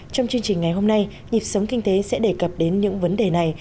trong chương trình ngày hôm nay nhịp sống kinh tế sẽ đề cập đến những vấn đề này